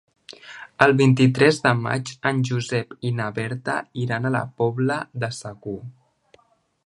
El vint-i-tres de maig en Josep i na Berta iran a la Pobla de Segur.